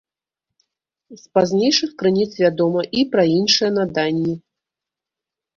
З пазнейшых крыніц вядома і пра іншыя наданні.